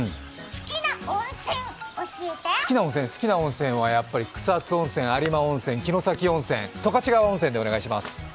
好きな温泉はやっぱり草津温泉、有馬温泉、城崎温泉十勝川温泉でお願いします。